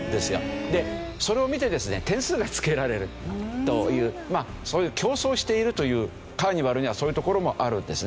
それを見てですね点数がつけられるというそういう競争しているというカーニバルにはそういうところもあるんですね。